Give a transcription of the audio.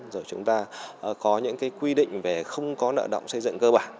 rồi chúng ta có những cái quy định về không có nợ động xây dựng cơ bản